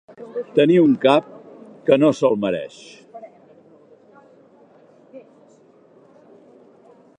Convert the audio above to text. Tenir un cap que no se'l mereix.